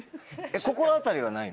心当たりはないの？